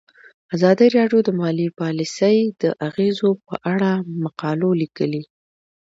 ازادي راډیو د مالي پالیسي د اغیزو په اړه مقالو لیکلي.